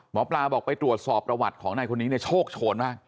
หมอปลาบอกไปตรวจสอบประวัติของนายคนนี้เนี่ยโชคโชนมาก